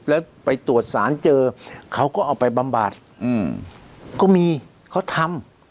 แล้วไปตรวจสารเจอเขาก็เอาไปบำบัดก็มีเขาทำ